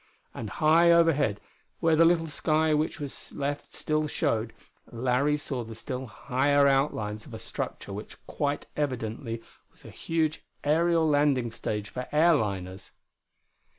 And high overhead, where the little sky which was left still showed, Larry saw the still higher outlines of a structure which quite evidently was a huge aerial landing stage for airliners.